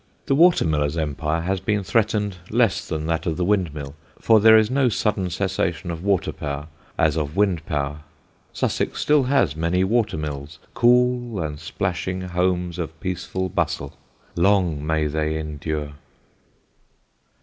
The water miller's empire has been threatened less than that of the windmill, for there is no sudden cessation of water power as of wind power. Sussex still has many water mills cool and splashing homes of peaceful bustle. Long may they endure.